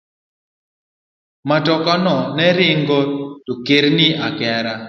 Matokano ne ringo to kerni akera.